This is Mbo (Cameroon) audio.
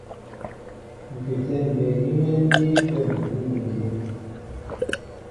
Ŋ̀kʉtɛ̌ mbey gínɛ́ i díín átə̂ ŋgʉ́meŋgeŋ.